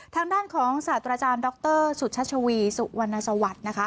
ทางด้านของศาสตราจารย์ดรสุชัชวีสุวรรณสวัสดิ์นะคะ